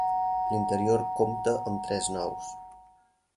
L'interior compta amb tres naus.